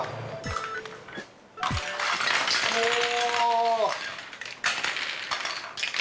おお！